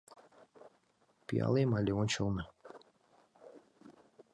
Пиалем але ончылно.